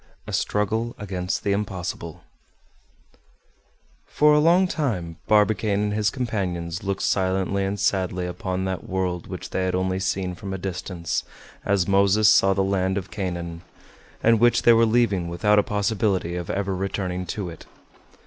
A STRUGGLE AGAINST THE IMPOSSIBLE For a long time Barbicane and his companions looked silently and sadly upon that world which they had only seen from a distance, as Moses saw the land of Canaan, and which they were leaving without a possibility of ever returning to it.